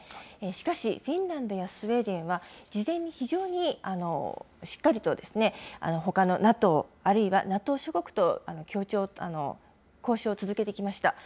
しかし、フィンランドやスウェーデンは、事前に非常に、しっかりと、ほかのＮＡＴＯあるいはＮＡＴＯ諸国と交渉を続けてきました。